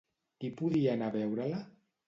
Qui podia anar a veure-la?